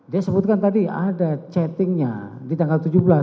dia sebutkan tadi ada chattingnya di tanggal tujuh belas